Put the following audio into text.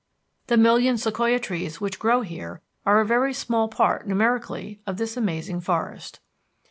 The million sequoia trees which grow here are a very small part, numerically, of this amazing forest.